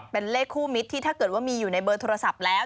เป็นเลขคู่มิตรที่ถ้าเกิดว่ามีอยู่ในเบอร์โทรศัพท์แล้ว